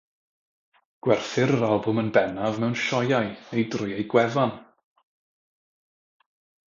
Gwerthir yr albwm yn bennaf mewn sioeau neu drwy ei gwefan.